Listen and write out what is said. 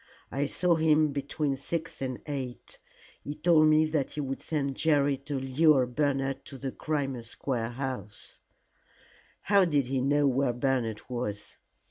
I saw him between six and eight. He told me that he would send Jerry to lure Bernard to the Crimea Square house " "How did he know where Bernard was?"